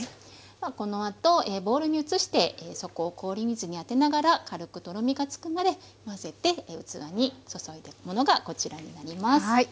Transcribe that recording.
このあとボウルに移して底を氷水に当てながら軽くとろみがつくまで混ぜて器に注いだものがこちらになります。